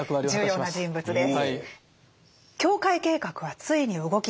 重要な人物です。